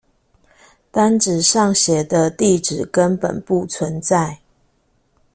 單子上寫的地址根本不存在